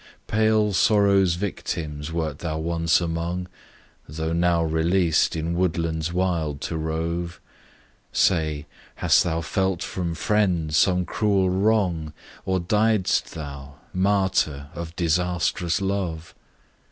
Pale Sorrow's victims wert thou once among, Though now released in woodlands wild to rove? Say hast thou felt from friends some cruel wrong, Or died'st thou martyr of disastrous love?